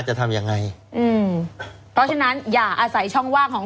จะทำยังไงอืมเพราะฉะนั้นอย่าอาศัยช่องว่างของ